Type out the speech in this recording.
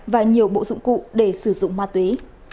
và nhiều bộ dụng cụ để sử dụng ma túy